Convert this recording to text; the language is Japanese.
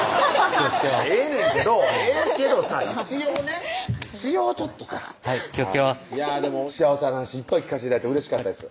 気をつけますええねんけどええけどさ一応ね一応ちょっとさはい気をつけますいやでも幸せな話いっぱい聞かせて頂いてうれしかったです